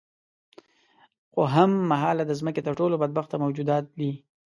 خو هم مهاله د ځمکې تر ټولو بدبخته موجودات دي.